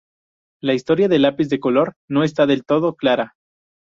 La historia del lápiz de color no está del todo clara.